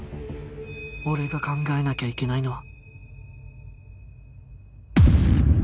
俺が考えなきゃいけないのは